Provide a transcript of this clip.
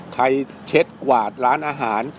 เช็ดกวาดร้านอาหาร